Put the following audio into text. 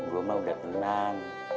gua mah udah tenang